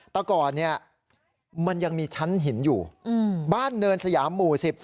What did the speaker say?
แต่ก่อนเนี่ยมันยังมีชั้นหินอยู่บ้านเนินสยามหมู่๑๐